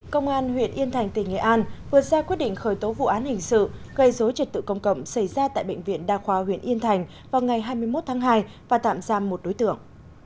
công an huyện yên thành tỉnh nghệ an vừa ra quyết định khởi tố vụ án hình sự gây dối trật tự công cộng xảy ra tại bệnh viện đa khoa huyện yên thành vào ngày hai mươi một tháng hai và tạm giam một đối tượng